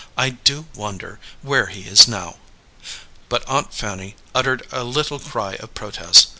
I do wonder where he is now." But Aunt Fanny uttered a little cry of protest.